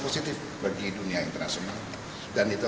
saya rasa itu